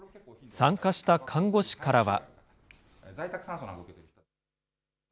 参加した看護師からは。